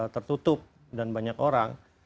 tertutup dan banyak orang